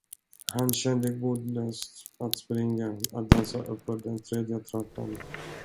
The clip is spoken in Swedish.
Han kände god lust att springa, att dansa uppför den tredje trappan.